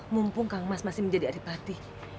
mumpung kang mas masih menjadi adibati